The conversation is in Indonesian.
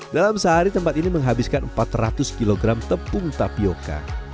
dalam sehari tempat ini menghabiskan empat ratus kg tepung tapioca